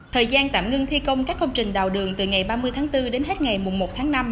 thời gian tạm ngưng thi công các công trình đào đường từ ngày ba mươi tháng bốn đến hết ngày một tháng năm